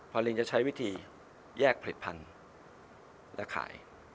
พอลิงจะใช้วิธีแยกผลิตภัณฑ์และขาย